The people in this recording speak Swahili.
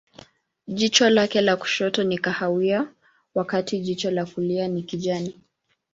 Jicho lake la kushoto ni kahawia, wakati jicho la kulia ni kijani.